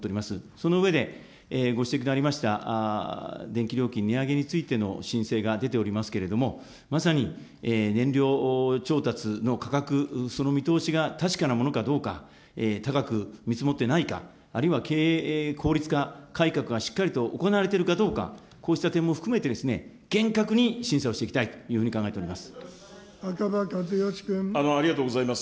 その上で、ご指摘のありました電気料金値上げについての申請が出ておりますけれども、まさに燃料調達の価格、その見通しが確かなものかどうか、高く見積もってないか、あるいは経営効率化改革がしっかりと行われているかどうか、こうした点も含めて、厳格に審査をしていきたいというふうに考えております。